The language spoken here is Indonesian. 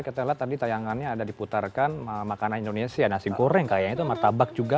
kita lihat tadi tayangannya ada diputarkan makanan indonesia nasi goreng kayaknya itu martabak juga